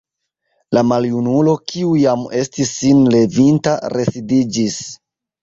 La maljunulo, kiu jam estis sin levinta, residiĝis.